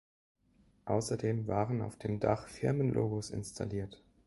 Außerdem waren auf dem Dach Firmenlogos installiert.